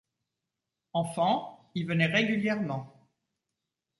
Enfant, y venait régulièrement.